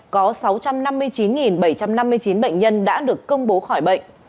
có sáu trăm năm mươi chín bảy trăm năm mươi chín bệnh nhân đã được công bố khỏi bệnh